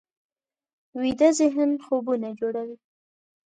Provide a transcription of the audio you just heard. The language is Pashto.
ویده ذهن خوبونه جوړوي